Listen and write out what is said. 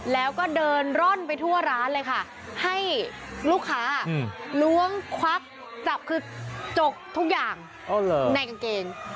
แล้วก็เดินร่อนไปทั่วร้านเลยค่ะให้ลูกค้าล้วงควักจับคือจกทุกอย่างในกางเกง